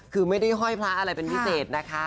คือไม่ได้ห้อยพระอะไรเป็นพิเศษนะคะ